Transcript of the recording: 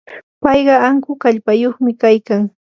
paypa ankun kallpayuqmi kaykan.